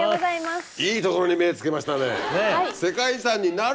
いいところに目つけましたね。